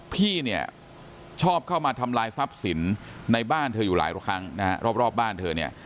พี่เนี่ยชอบเข้ามาทำลายทรัพย์สินในบ้านเธออยู่หลายครั้งนะฮะรอบบ้านเธอเนี่ย